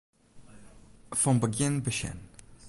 Fan begjin besjen.